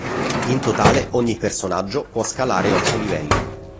In totale ogni personaggio può scalare otto livelli.